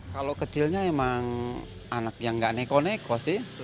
kalau kecilnya emang anak yang nggak neko neko sih